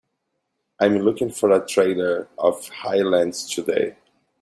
I'm looking for the trailer of Highlands Today